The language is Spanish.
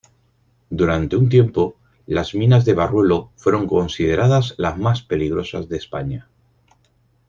Durante un tiempo, las minas de Barruelo fueron consideradas las más peligrosas de España.